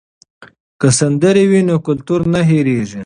که سندرې وي نو کلتور نه هېریږي.